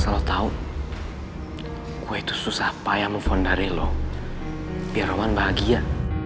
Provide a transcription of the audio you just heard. asal lo tau gue itu susah payah nelfon dari lo biar roman bahagia